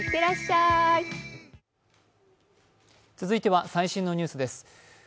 続いては最新のニュースです。